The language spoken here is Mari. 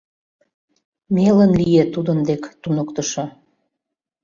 — мелын лие тудын дек туныктышо.